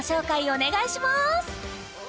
お願いします！